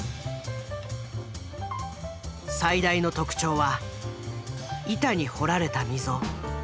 最大の特徴は板に彫られた溝。